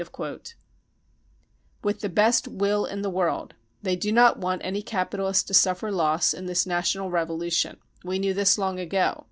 55 £< With the best will in the world 55 — they do not want any capitalist to suffer loss in this ec national revolution . 55 We knew this long ago.